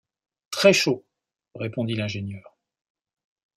Très-chaud! répondit l’ingénieur.